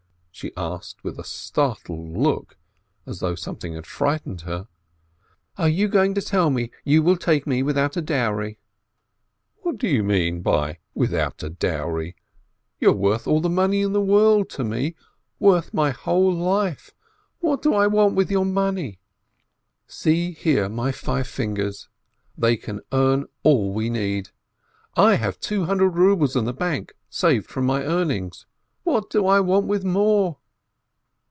she asked with a startled look, as though something had frightened her. "Are you going to tell me that you will take me without a dowry?" "What do you mean by 'without a dowry' ? You are worth all the money in the world to me, worth my whole life. What do I want with your money? See here, my 503 ASCH five fingers, they can earn all we need. I have two hundred rubles in the bank, saved from my earnings. What do I want with more?"